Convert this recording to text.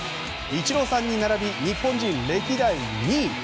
イチローさんに並び日本人歴代２位。